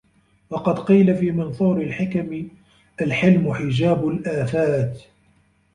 وَقَدْ قِيلَ فِي مَنْثُورِ الْحِكَمِ الْحِلْمُ حِجَابُ الْآفَاتِ